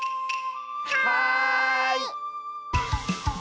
はい！